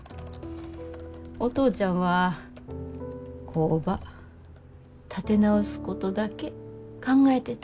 お父ちゃんは工場立て直すことだけ考えてた。